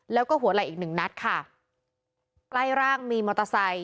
แล้วก็หัวไหล่อีกหนึ่งนัดค่ะใกล้ร่างมีมอเตอร์ไซค